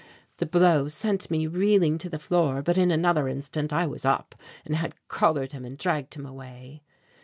The blow sent me reeling to the floor but in another instant I was up and had collared him and dragged him away.